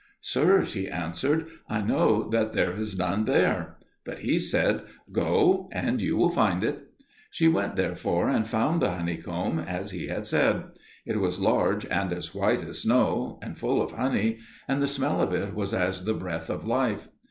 "Sir," she answered, "I know that there is none there." But he said, "Go and you will find it." She went therefore and found the honeycomb, as he had said; it was large, and as white as snow, and full of honey, and the smell of it was as the breath of life.